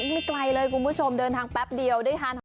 ไม่ไกลเลยคุณผู้ชมเดินทางแป๊บเดียวได้ทาน